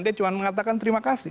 dia cuma mengatakan terima kasih